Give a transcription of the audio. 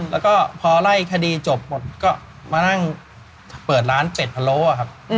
แล้วก็พอไล่คดีจบหมดก็มานั่งเปิดร้านเป็ดพะโลครับ